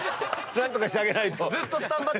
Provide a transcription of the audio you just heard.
何とかしてあげないと。